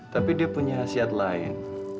tapi dia punya hasil lain